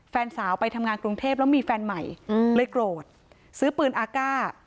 แฟนสาวไปทำงานกรุงเทพแล้วมีแฟนใหม่เลยโกรธซื้อปืนอากาศ